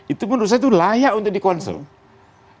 itu menurut saya itu layak untuk dikonservasi